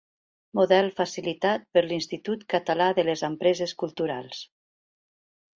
Model facilitat per l'Institut Català de les Empreses Culturals.